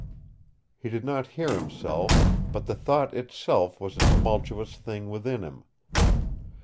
He did not hear himself, but the thought itself was a tumultuous thing within him.